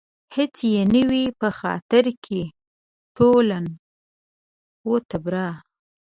هېڅ يې نه وي په خاطر کې تولاً و تبرا